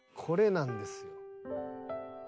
これなんですよ。